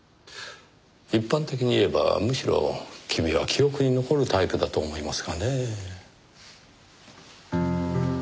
一般的に言えばむしろ君は記憶に残るタイプだと思いますがねぇ。